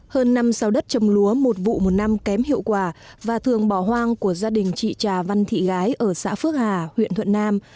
hơn năm sao đất trồng lúa một vụ một năm kém hiệu quả và thường bỏ hoang của gia đình chị trà văn thị gái ở xã phước hà huyện thuận nam